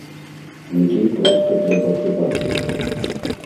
Людзей проста трэба прывабліваць.